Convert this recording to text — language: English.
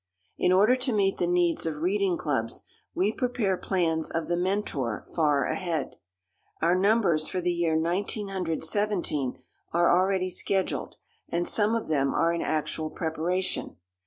In order to meet the needs of reading clubs we prepare plans of The Mentor far ahead. Our numbers for the year 1917 are already scheduled, and some of them are in actual preparation.